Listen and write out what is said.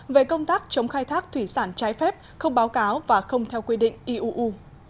về công tác chống khai thác thủy sản trái phép không báo cáo và không theo quy định iuu